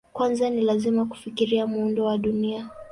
Kwanza ni lazima kufikiria muundo wa Dunia.